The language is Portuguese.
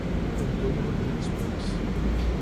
Antônio Rodrigues Pontes